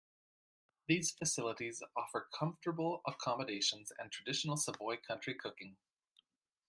These facilities offer comfortable accommodations and traditional Savoy country cooking.